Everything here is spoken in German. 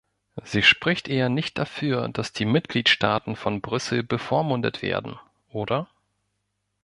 Sie spricht eher nicht dafür, dass die Mitgliedstaaten von Brüssel bevormundet werden, oder?